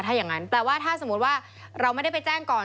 ถ้าอย่างนั้นแปลว่าถ้าสมมุติว่าเราไม่ได้ไปแจ้งก่อน